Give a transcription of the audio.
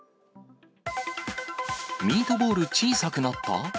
ミートボール小さくなった？